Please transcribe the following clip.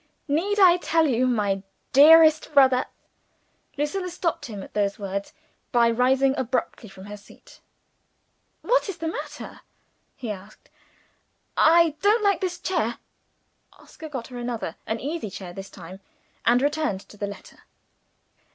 Need I tell you, my dearest brother '" Lucilla stopped him at those words by rising abruptly from her seat. "What is the matter?" he asked. "I don't like this chair!" Oscar got her another an easy chair this time and returned to the letter.